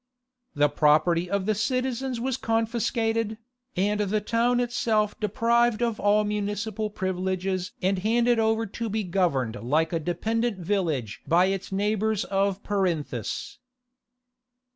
The property of the citizens was confiscated, and the town itself deprived of all municipal privileges and handed over to be governed like a dependent village by its neighbours of Perinthus.